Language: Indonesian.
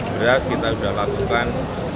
beras kita udah lakukan